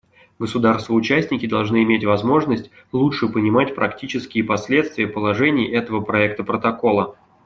Государства-участники должны иметь возможность лучше понимать практические последствия положений этого проекта протокола.